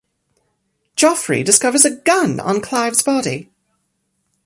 Geoffrey discovers a gun on Clive's body.